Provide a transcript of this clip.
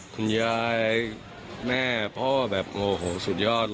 คุณแม่พ่อแบบโอ้โหสุดยอด